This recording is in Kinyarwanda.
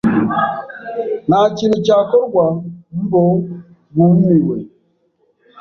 ntakintu cyakorwa mbo bumiwe